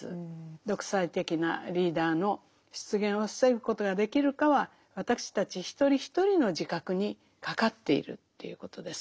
独裁的なリーダーの出現を防ぐことができるかは私たち一人一人の自覚にかかっているということです。